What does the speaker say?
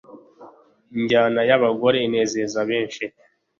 Injyana y'abagore inezeza benshi